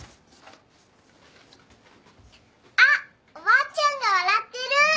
あっおばあちゃんが笑ってる。